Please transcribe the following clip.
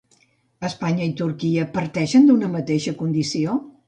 Espanya i Turquia parteixen d'una mateixa condició?